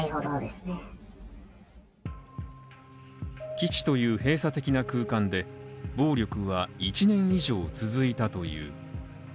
基地という閉鎖的な空間で暴力は１年以上続いたという。